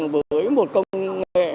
với một công nghệ